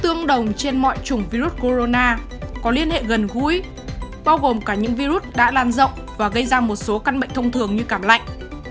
tương đồng trên mọi chủng virus corona có liên hệ gần gũi bao gồm cả những virus đã lan rộng và gây ra một số căn bệnh thông thường như cảm lạnh